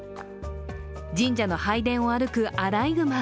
神社の拝殿を歩くアライグマ。